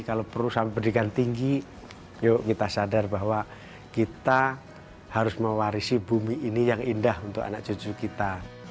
kalau perusahaan pendidikan tinggi yuk kita sadar bahwa kita harus mewarisi bumi ini yang indah untuk anak cucu kita